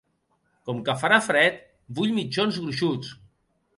Com que farà fred, vull mitjons gruixuts.